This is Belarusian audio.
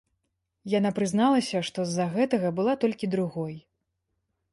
Яна прызналася, што з-за гэтага была толькі другой.